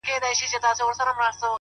شكر چي ښكلا يې خوښــه ســوېده!